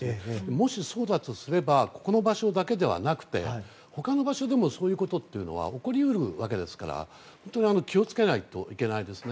もし、そうだとすればこの場所だけでなく他の場所でもそういうことは起こり得るわけですから本当に気を付けないといけないですね。